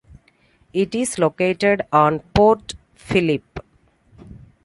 It is located on Port Phillip.